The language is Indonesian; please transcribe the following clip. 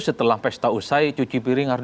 setelah pesta usai cuci piring harus